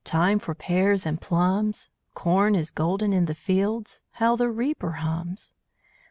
Time for pears and plums. Corn is golden in the fields. How the reaper hums!